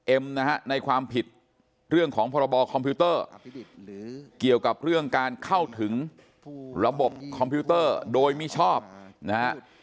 นะฮะในความผิดเรื่องของพรบคอมพิวเตอร์เกี่ยวกับเรื่องการเข้าถึงระบบคอมพิวเตอร์โดยมิชอบนะฮะ